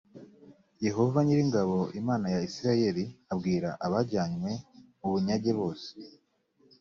yehova nyir ingabo imana ya isirayeli abwira abajyanywe mu bunyage bose